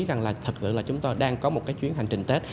rằng là thật sự là chúng tôi đang có một cái chuyến hành trình tết